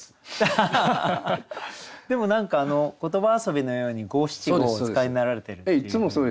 でも何か言葉遊びのように五七五をお使いになられてるっていう。